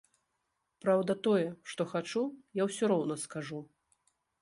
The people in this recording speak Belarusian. Праўда, тое, што хачу, я ўсё роўна скажу.